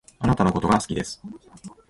あなたのことが好きです